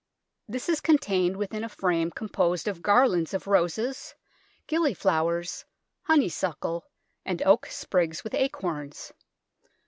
This is contained within a frame composed of garlands of roses, gillyflowers, honeysuckle, and oak sprigs with acorns.